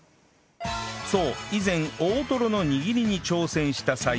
そう以前大トロの握りに挑戦した際